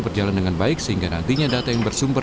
berjalan dengan baik sehingga nantinya data yang bersumber